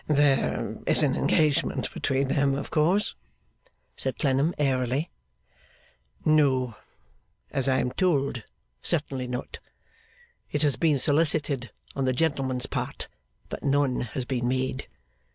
' There is an engagement between them, of course?' said Clennam airily. 'No. As I am told, certainly not. It has been solicited on the gentleman's part, but none has been made.